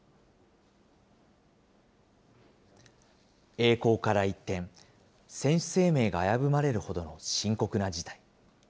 栄光から一転、選手生命が危ぶまれるほどの深刻な事態。